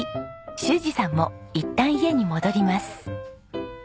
修二さんもいったん家に戻ります。